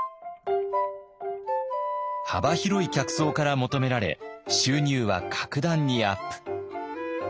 幅広い客層から求められ収入は格段にアップ。